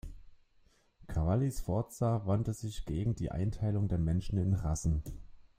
Cavalli-Sforza wandte sich gegen die Einteilung der Menschen in Rassen.